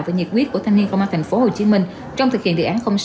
và nhiệt quyết của thanh niên công an thành phố hồ chí minh trong thực hiện đề án sáu